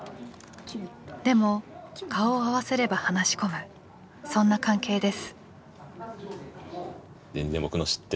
でも顔を合わせれば話し込むそんな関係です。